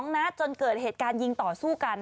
นัดจนเกิดเหตุการณ์ยิงต่อสู้กัน